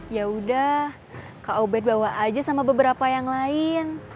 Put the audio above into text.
yaudah kak obed bawa aja sama beberapa yang lain